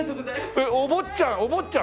えっお坊ちゃん？